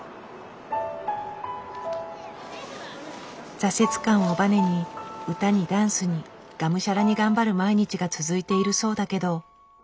挫折感をバネに歌にダンスにがむしゃらに頑張る毎日が続いているそうだけど。